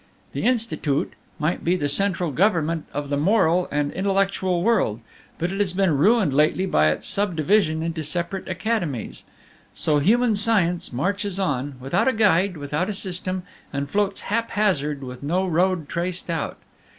"The Institut might be the central government of the moral and intellectual world; but it has been ruined lately by its subdivision into separate academies. So human science marches on, without a guide, without a system, and floats haphazard with no road traced out.